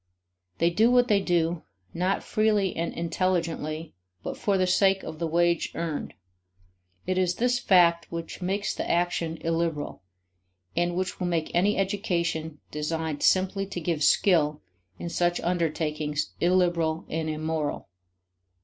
They do what they do, not freely and intelligently, but for the sake of the wage earned. It is this fact which makes the action illiberal, and which will make any education designed simply to give skill in such undertakings illiberal and immoral.